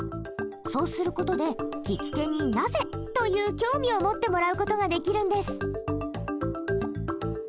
そうする事で聞き手に「なぜ？」という興味を持ってもらう事ができるんです。